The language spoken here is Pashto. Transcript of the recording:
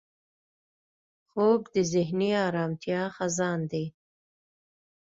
خوب د ذهني ارامتیا خزان دی